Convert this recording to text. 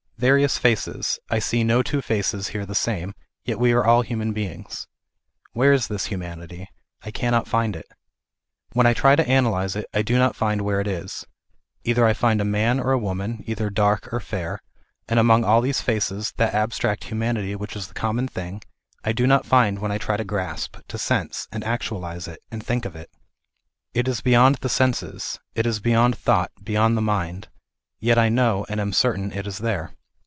Various faces ; I see no two faces here the same, yet we are all human beings. Where is this humanity ? I cannot find it. When I try to analyse it, I do not find where it is. Either I find a man or a woman ; either dark or fair ; and among all these faces, that abstract humanity which is the common thing, I do not find when I try to grasp, to sense, and actualize it, and think of it. It is beyond the senses ; it is beyond thought, beyond the mind. Yet I know, and am certain it is there.